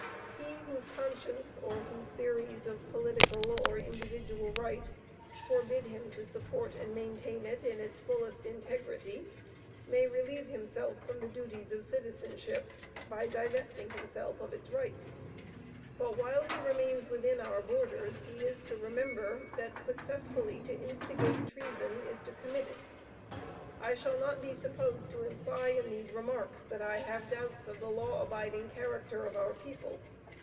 He, whose conscience, or whose theories of political or individual right, forbid him to support and maintain it in its fullest integrity, may relieve himself from the duties of citizenship, by divesting himself of its rights. But while he remains within our borders, he is to remember, that successfully to instigate treason, is to commit it. I shall not be supposed to imply in these remarks, that I have doubts of the law abiding character of our people.